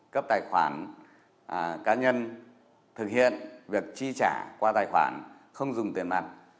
cấp tài khoản cá nhân thực hiện việc chi trả qua tài khoản không dùng tiền mặt